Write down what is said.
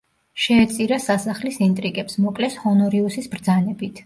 შეეწირა სასახლის ინტრიგებს, მოკლეს ჰონორიუსის ბრძანებით.